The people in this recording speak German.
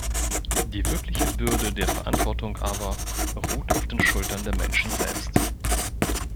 Die wirkliche Bürde der Verantwortung aber ruht auf den Schultern der Menschen selbst.